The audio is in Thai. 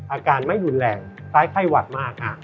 อาการไม่หุ่นแหลกทำให้ไข้หวัดมาก